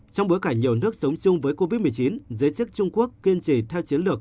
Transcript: trong bối cảnh nhiều nước sống chung với covid một mươi chín giới chức trung quốc kiên trì theo chiến lược